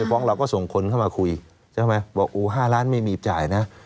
ไอ้ฟ้องเราก็ส่งคนเข้ามาคุยบอก๕ล้านไม่มีจ่ายนะ